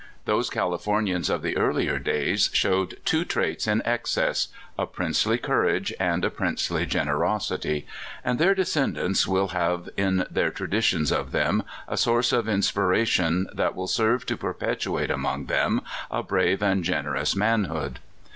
Those Californians of the earlier days showed tw^o traits in excess — a princely courage and a princely generosity ; and their descendants will have in their traditions of them a source of inspiration that will serve to perpetuate among them a brave and gen erous manhood.